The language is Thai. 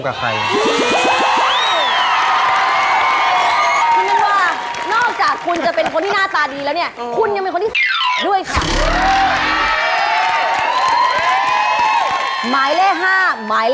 ขอคุณฟูนก่อนนี่ละ